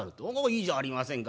いいじゃありませんか。